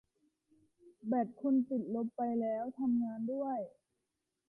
แบตคนติดลบไปแล้ว ทำงานด้วย